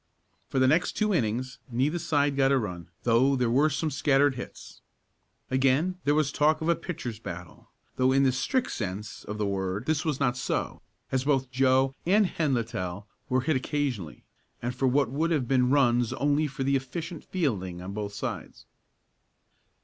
For the next two innings neither side got a run, though there were some scattered hits. Again was there talk of a pitchers' battle, though in the strict sense of the word this was not so, as both Joe and Hen Littell were hit occasionally, and for what would have been runs only for the efficient fielding on both sides.